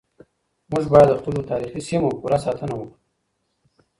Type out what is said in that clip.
موږ بايد د خپلو تاريخي سيمو پوره ساتنه وکړو.